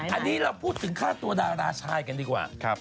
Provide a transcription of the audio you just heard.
อันนี้เราพูดถึงค่าตัวดาราชายกันดีกว่า